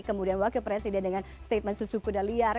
kemudian wakil presiden dengan statement susu kuda liar